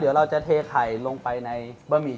เดี๋ยวเราจะเทไข่ลงไปในบะหมี่